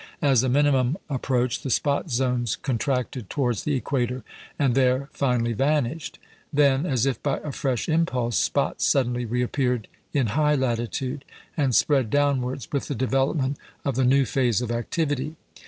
As the minimum approached, the spot zones contracted towards the equator, and there finally vanished; then, as if by a fresh impulse, spots suddenly reappeared in high latitude, and spread downwards with the development of the new phase of activity.